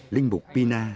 linh mục pina